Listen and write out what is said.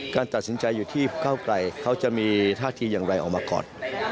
การตัดสินใจอยู่ที่เก้าไกลเขาจะมีท่าทีอย่างไรออกมาก่อน